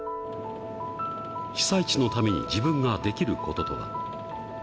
被災地のために自分ができることとは。